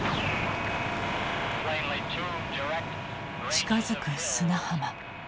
近づく砂浜。